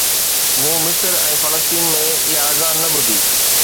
مون مصر ۽ فلسطين ۾ اها اذان نه ٻڌي